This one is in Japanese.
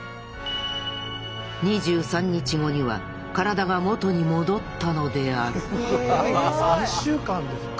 ２３日後には体が元に戻ったのである３週間で復活？